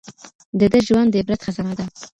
د ده ژوند د عبرت خزانه ده